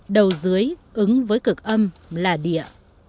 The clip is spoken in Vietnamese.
đầu dưới ứng với cực âm là địa